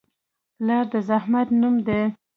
پلار د زحمت نوم دی.